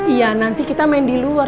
iya nanti kita main di luar